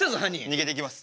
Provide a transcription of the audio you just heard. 逃げていきます。